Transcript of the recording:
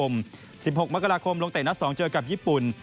๑๖มกลงเตะนัดสองเจอกับญี่ปุ่น